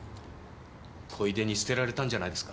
小出に捨てられたんじゃないですか。